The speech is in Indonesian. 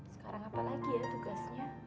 sekarang apa lagi ya tugasnya